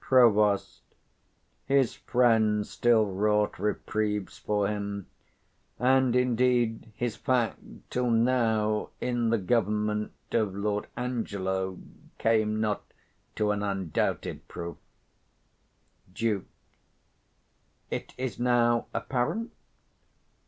Prov. His friends still wrought reprieves for him: and, indeed, his fact, till now in the government of Lord Angclo, came not to an undoubtful proof. 130 Duke. It is now apparent?